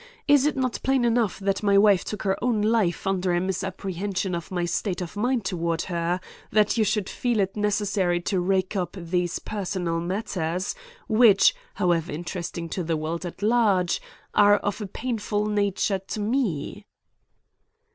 Is it not plain enough that my wife took her own life under a misapprehension of my state of mind toward her, that you should feel it necessary to rake up these personal matters, which, however interesting to the world at large, are of a painful nature to me?"